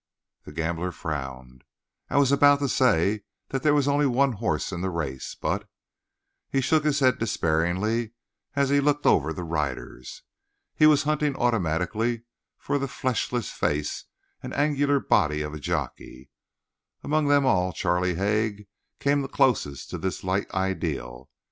The gambler frowned. "I was about to say that there was only one horse in the race, but " He shook his head despairingly as he looked over the riders. He was hunting automatically for the fleshless face and angular body of a jockey; among them all Charlie Haig came the closest to this light ideal.